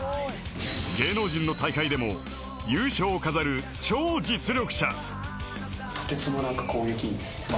芸能人の大会でも優勝を飾る超実力者。